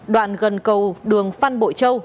đoạn gần cầu đường phan bội châu